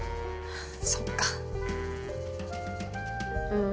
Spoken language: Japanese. そっかうん。